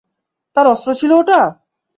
তার অস্ত্র ছিল ওটা!